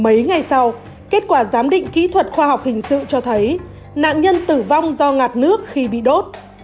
mấy ngày sau kết quả giám định kỹ thuật khoa học hình sự cho thấy nạn nhân tử vong do ngạt nước khi bị đốt